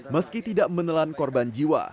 meski tidak menelan korban jiwa